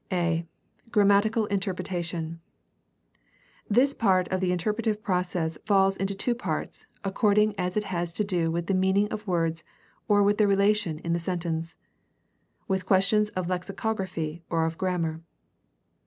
a) Grammatical interpretation. — This part of the inter pretative process falls into two parts, according as it has to do with the meaning of words or with their relation in the sentence; with questions of lexicography or of grammar.